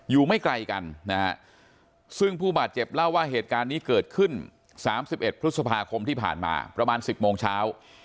ไม่ไกลกันนะฮะซึ่งผู้บาดเจ็บเล่าว่าเหตุการณ์นี้เกิดขึ้น๓๑พฤษภาคมที่ผ่านมาประมาณ๑๐โมงเช้า